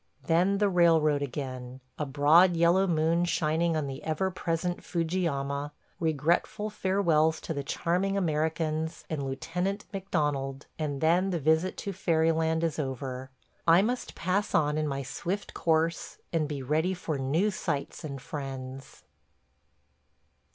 Then the railroad again, ... a broad, yellow moon shining on the ever present Fujiyama, ... regretful farewells to the charming Americans and Lieutenant McDonald, and then the visit to fairyland is over. ... I must pass on in my swift course, and be ready for new sights and friends.